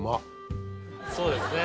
そうですね。